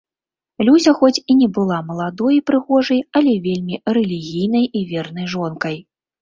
Люся хоць і не была маладой і прыгожай, але вельмі рэлігійнай і вернай жонкай.